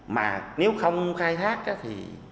mà nếu không khai thác thì